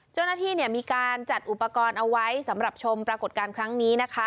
เจ้าหน้าที่มีการจัดอุปกรณ์เอาไว้สำหรับชมปรากฏการณ์ครั้งนี้นะคะ